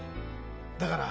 だから。